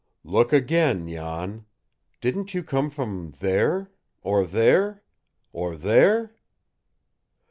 "Look again, Jan! Didn't you come from there, or there, or there?"